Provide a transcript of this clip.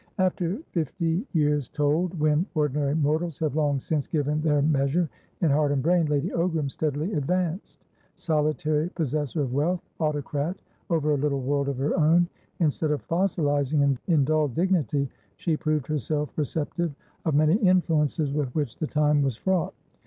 After fifty years told, when ordinary mortals have long since given their measure in heart and brain, Lady Ogram steadily advanced. Solitary possessor of wealth, autocrat over a little world of her own, instead of fossilising in dull dignity, she proved herself receptive of many influences with which the time was fraught.